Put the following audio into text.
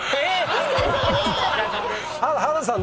⁉原田さん